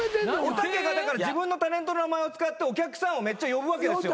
おたけが自分のタレントの名前を使ってお客さんをめっちゃ呼ぶわけですよ。